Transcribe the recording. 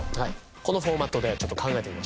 このフォーマットでちょっと考えてみましょう。